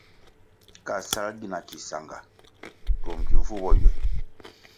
Ka sal gina ki sanga, twom ki vu bo ywe.